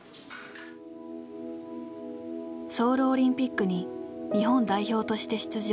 ソウルオリンピックに日本代表として出場。